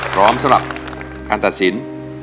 พร้อมสำหรับการตัดสิน